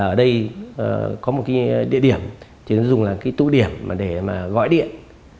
ở đây có một địa điểm chúng dùng là tủ điểm để gọi điện